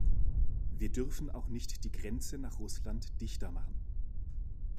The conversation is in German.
Wir dürfen auch nicht die Grenze nach Russland dichter machen.